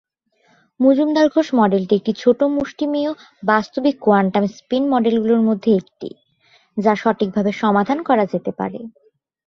মজুমদার-ঘোষ মডেলটি একটি ছোট মুষ্টিমেয় বাস্তবিক কোয়ান্টাম স্পিন মডেলগুলির মধ্যে একটি, যা সঠিকভাবে সমাধান করা যেতে পারে।